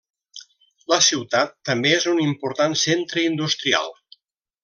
La ciutat també és un important centre industrial.